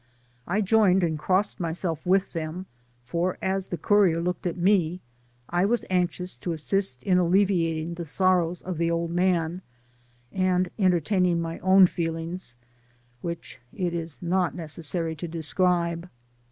I joined and crossed myself with them, for as the courier looked at me, I was anxious to assist in alleviating the sorrows of an old man, and enter* taining my own feelings, which it is not necessary to describe.